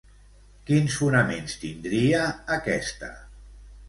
Quins fonaments tindria aquesta?